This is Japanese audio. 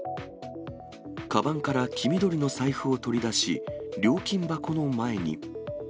かばんから黄緑の財布を取りだし、料金箱の前に。